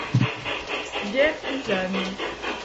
- Guerre pisane.